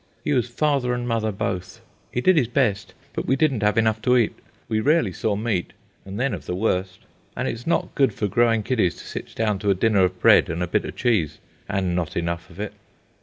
He was father and mother, both. He did his best, but we didn't have enough to eat. We rarely saw meat, and then of the worst. And it is not good for growing kiddies to sit down to a dinner of bread and a bit of cheese, and not enough of it.